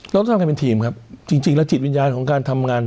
เราต้องทำกันเป็นทีมครับจริงแล้วจิตวิญญาณของการทำงาน